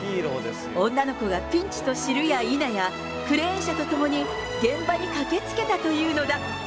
女の子がピンチと知るやいなや、クレーン車とともに、現場に駆けつけたというのだ。